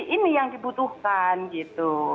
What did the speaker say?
ini yang dibutuhkan gitu